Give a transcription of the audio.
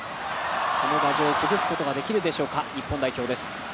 その牙城を崩すことができるでしょうか、日本代表です。